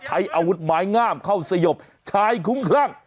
ใช้อาวุธไม้งามเข้าสยบชายคุ้มคลั่ง